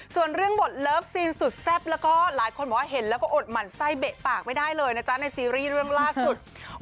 ส่วนเรื่องบทเลิฟซีนสุดแซ่บแล้วก็หลายคนบอกว่าเห็นแล้วก็อดหมั่นไส้เบะปากไม่ได้เลยนะจ๊ะในซีรีส์เรื่องล่าสุด